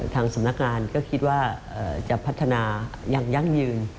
ทางสำนักงานก็คิดว่าจะพัฒนาอย่างยั่งยืน